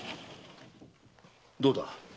どうだ？